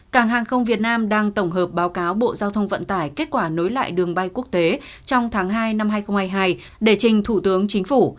cảng hàng không việt nam đang tổng hợp báo cáo bộ giao thông vận tải kết quả nối lại đường bay quốc tế trong tháng hai năm hai nghìn hai mươi hai để trình thủ tướng chính phủ